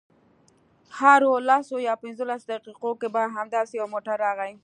هرو لسو یا پنځلسو دقیقو کې به همداسې یو موټر راغی.